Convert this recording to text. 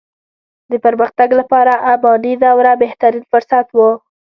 د پرمختګ لپاره اماني دوره بهترين فرصت وو.